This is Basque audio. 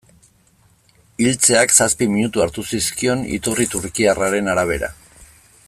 Hiltzeak zazpi minutu hartu zizkion, iturri turkiarraren arabera.